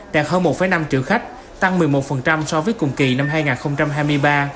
đạt hơn một năm triệu khách tăng một mươi một so với cùng kỳ năm hai nghìn hai mươi ba